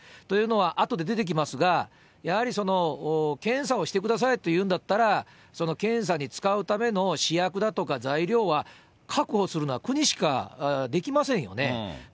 というのは、あとで出てきますが、やはりその、検査をしてくださいというんだったら、その検査に使うための試薬だとか材料は、確保するのは国しかできませんよね。